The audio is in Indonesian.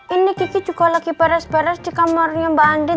ini kiki juga lagi baras baras di kamarnya mba andin